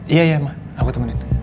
iya iya mah aku temenin